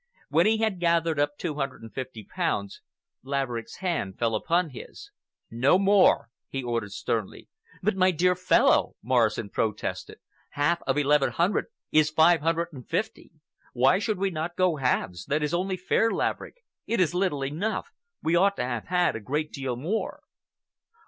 When he had gathered up two hundred and fifty pounds, Laverick's hand fell upon his. "No more," he ordered sternly. "But, my dear fellow," Morrison protested, "half of eleven hundred is five hundred and fifty. Why should we not go halves? That is only fair, Laverick. It is little enough. We ought to have had a great deal more."